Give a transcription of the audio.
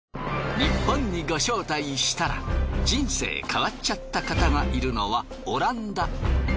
ニッポンにご招待したら人生変わっちゃった方がいるのはオランダ。